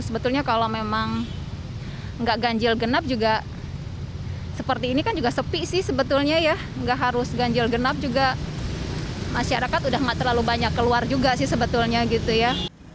sebetulnya kalau memang nggak ganjil genap juga seperti ini kan juga sepi sih sebetulnya ya nggak harus ganjil genap juga masyarakat udah gak terlalu banyak keluar juga sih sebetulnya gitu ya